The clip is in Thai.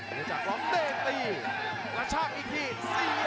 กรบเพชรเขามาดูจากความเบ็ดตี